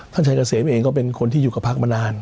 ท่านชายกระเสมเองก็เป็นคนที่อยู่กับภาคมานาน